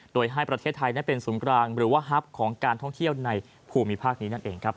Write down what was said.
โดยให้ประเทศไทยเป็นศูนย์กลางหรือฮับของการท่องเที่ยวในภูมิภาคนี้